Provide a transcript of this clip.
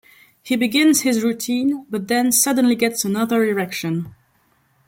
He begins his routine, but then suddenly gets another erection.